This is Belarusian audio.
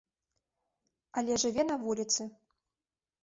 Але жыве на вуліцы.